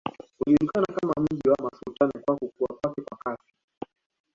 Ulijulikana kama mji wa masultani kwa kukua kwake kwa kasi